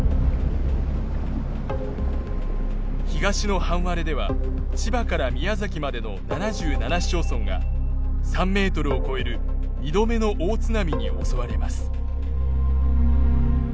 東の半割れでは千葉から宮崎までの７７市町村が３ｍを超える２度目の大津波に襲われます。